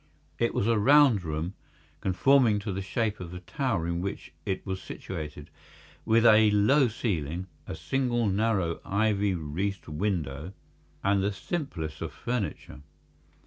It was a round room, conforming to the shape of the tower in which it was situated, with a low ceiling, a single narrow, ivy wreathed window, and the simplest of furniture.